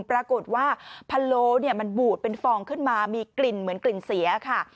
ปรากฏว่าพะโล้มันบูดเป็นฟองขึ้นมามีกลิ่นเหมือนกลิ่นเสียค่ะ